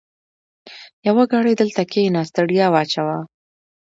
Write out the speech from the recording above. يوه ګړۍ دلته کېنه؛ ستړیا واچوه.